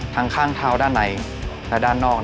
ข้างเท้าด้านในและด้านนอก